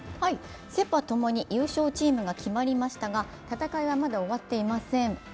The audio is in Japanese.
セ・パともに優勝チームが決まりましたが、戦いはまだ終わっていません。